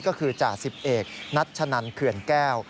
ก็คือจ่าสิบเอกนัชนันเขื่อนแก้ว